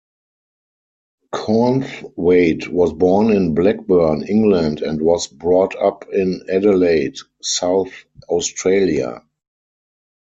Cornthwaite was born in Blackburn, England and was brought up in Adelaide, South Australia.